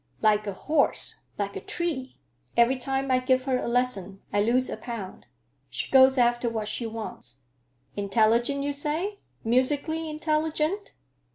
"Like a horse, like a tree! Every time I give her a lesson, I lose a pound. She goes after what she wants." "Intelligent, you say? Musically intelligent?"